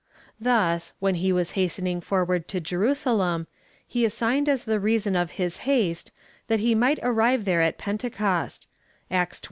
Thus, when he was hastening forward to Jerusalem, he assigned as the reason of his haste, that he might arrive there at Pentecost, (Acts xx.